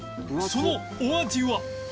そのお味は